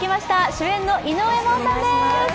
主演の井上真央さんです。